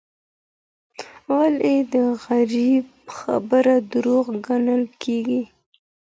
ولي د غریب خبره دروغ ګڼل کیږي؟